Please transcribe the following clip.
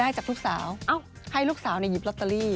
จากลูกสาวให้ลูกสาวหยิบลอตเตอรี่